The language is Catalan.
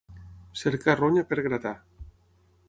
Cercar ronya per gratar.